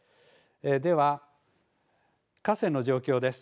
では、河川の状況です。